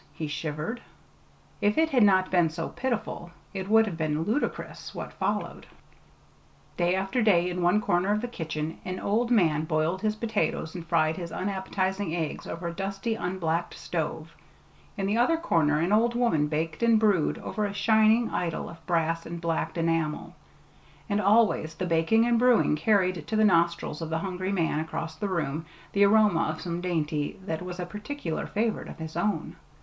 he shivered. If it had not been so pitiful, it would have been ludicrous what followed. Day after day, in one corner of the kitchen, an old man boiled his potatoes and fried his unappetizing eggs over a dusty, unblacked stove; in the other corner an old woman baked and brewed over a shining idol of brass and black enamel and always the baking and brewing carried to the nostrils of the hungry man across the room the aroma of some dainty that was a particular favorite of his own.